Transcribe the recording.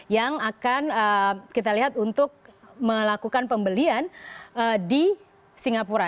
yang akan kita lihat untuk melakukan pembelian di singapura